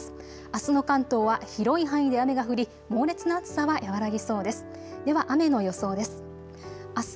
あすの関東は広い範囲で雨が降り猛烈な暑さは和らぎそうです。